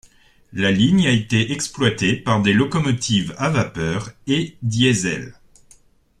La ligne a été exploitée par des locomotives à vapeur et Diesel.